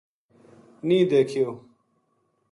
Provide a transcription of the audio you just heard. نیہہ دیکھیو